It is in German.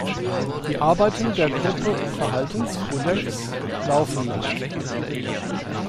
Die Arbeiten der Gruppe "Verhaltenskodex" laufen noch.